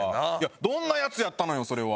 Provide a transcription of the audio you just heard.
どんなやつやったのよそれは。